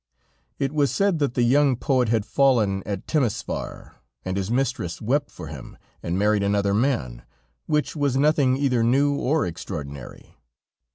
It was said that the young poet had fallen at Temesvar, and his mistress wept for him, and married another man, which was nothing either new or extraordinary.